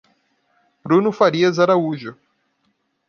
Bruno Farias Araújo